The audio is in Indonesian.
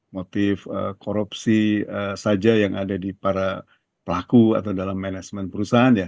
motif korupsi saja yang ada di para pelaku atau dalam manajemen perusahaan ya